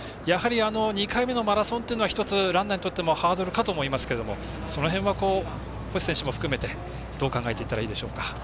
やはり２回目のマラソンというのは１つランナーにとってもハードルかと思いますけれどもその辺は星選手も含めてどう考えていったらいいでしょうか？